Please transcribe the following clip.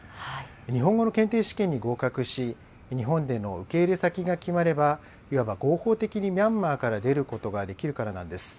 日本語の検定試験に合格し、日本での受け入れ先が決まれば、いわば合法的にミャンマーから出ることができるからなんです。